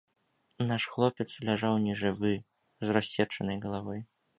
Наш хлопец ляжаў нежывы, з рассечанай галавой.